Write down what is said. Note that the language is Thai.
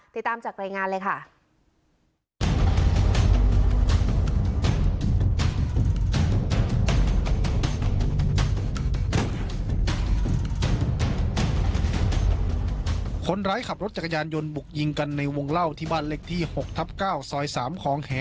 ติดตามจากรายงานเลยค่ะ